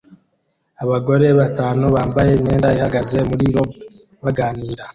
Abagore batanu bambaye imyenda ihagaze muri lobby baganira